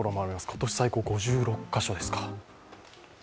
今年最高、５６カ所ですか。